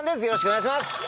よろしくお願いします！